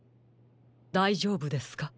だいじょうぶですか？